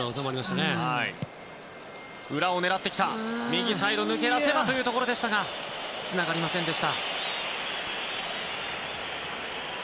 右サイド、抜け出せばというところでしたがつながりませんでした。